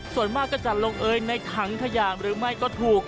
ส่วนมากก็จะลงเอยในถังขยะหรือไม่ก็ถูก